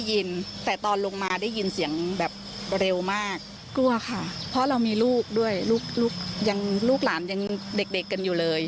กลัวโดนลูกหลงอะไรประมาณนี้